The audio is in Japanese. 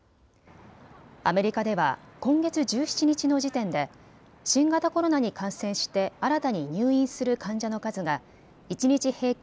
アメリカでは今月１７日の時点で新型コロナに感染して新たに入院する患者の数が一日平均